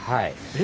え？